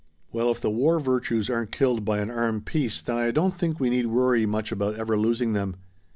Well if the 'war virtues' aren't killed by an armed peace, then I don't think we need worry much about ever losing them.